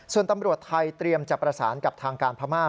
ส่วนตำรวจไทยเตรียมจะประสานกับทางการพม่า